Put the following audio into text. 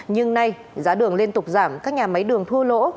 nhưng nay giá đường liên tục giảm các nhà máy đường thua lỗ